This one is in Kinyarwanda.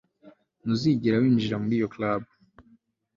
Ntuzigera winjira muri iyo club